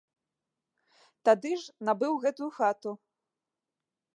Тады ж набыў гэтую хату.